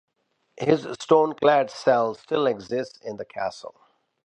His stone-clad cell still exists in the castle.